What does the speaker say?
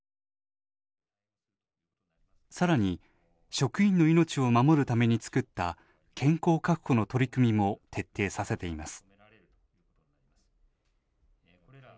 さらに職員の命を守るために作った健康確保の取り組みも徹底させています。